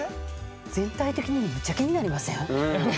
全体的にめっちゃ気になりません？